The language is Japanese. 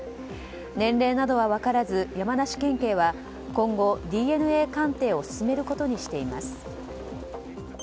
年齢などは分からず山梨県警は今後、ＤＮＡ鑑定を進めることにしています。